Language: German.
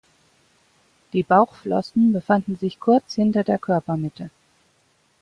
Die Bauchflossen befanden sich kurz hinter der Körpermitte.